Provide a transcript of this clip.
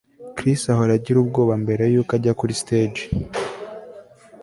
Chris ahora agira ubwoba mbere yuko ajya kuri stage